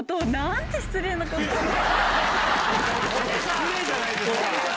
失礼じゃないですか！